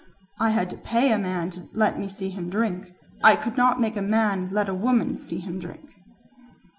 "I had to pay a man to let me see him drink; I could not make a man let a woman see him drink."